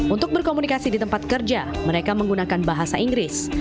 untuk berkomunikasi di tempat kerja mereka menggunakan bahasa inggris